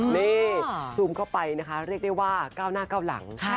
นี่ซูมเข้าไปนะคะเรียกได้ว่าก้าวหน้าเก้าหลัง